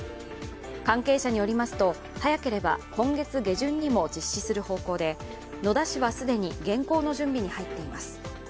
関係者によりますと早ければ今月下旬にも実施する方向で野田氏は既に原稿の準備に入っています。